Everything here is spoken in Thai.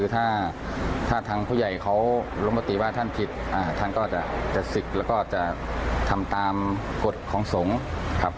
ถ้าทางผู้ใหญ่เขาลงมติว่าท่านผิดท่านก็จะศึกแล้วก็จะทำตามกฎของสงฆ์ครับ